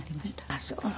あっそう。